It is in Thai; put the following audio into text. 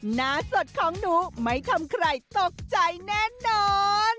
หน้าสดของหนูไม่ทำใครตกใจแน่นอน